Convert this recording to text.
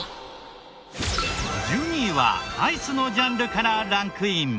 １２位はアイスのジャンルからランクイン。